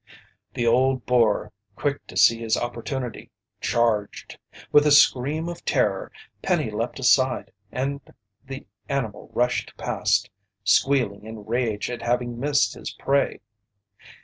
The old boar, quick to see his opportunity, charged. With a scream of terror, Penny leaped aside and the animal rushed past, squealing in rage at having missed his prey.